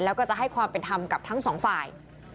แล้วก็จะให้ความเป็นธรรมกับทั้งสองฝ่าย